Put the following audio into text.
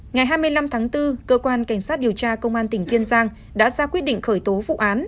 ngày hai mươi năm tháng bốn cơ quan cảnh sát điều tra công an tỉnh kiên giang đã ra quyết định khởi tố vụ án